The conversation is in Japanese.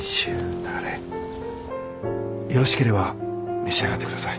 よろしければ召し上がってください。